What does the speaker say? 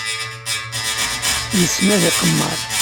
Yessen ad iqemmer.